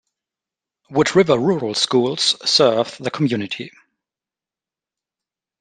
Wood River Rural Schools serves the community.